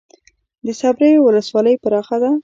د صبریو ولسوالۍ پراخه ده